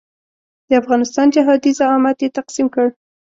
د افغانستان جهادي زعامت یې تقسیم کړ.